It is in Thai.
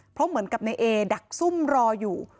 เพราะเหมือนกับในเอดักซุ่มรออยู่